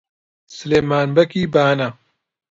سلێمان بەگی بانە